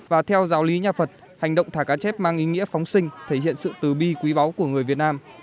và theo giáo lý nhà phật hành động thả cá chép mang ý nghĩa phóng sinh thể hiện sự tứ bi quý báu của người việt nam